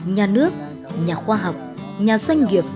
nhà nước nhà khoa học nhà doanh nghiệp